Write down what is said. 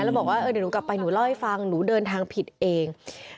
แล้วบอกว่าเดี๋ยวหนูกลับไปหนูเล่าให้ฟังหนูเดินทางผิดเอง